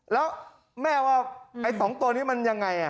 แล้วแม่ว่าไอ้๒ตัวนี้มันยังไง